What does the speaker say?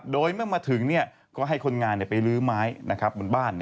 โดยเมื่อมาถึงก็ให้คนงานไปลื้อไม้บนบ้าน